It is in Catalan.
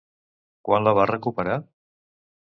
Quan la va recuperar?